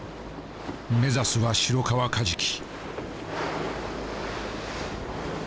目指すはシロカワカジキ。